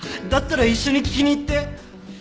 だったら一緒に聞きに行って。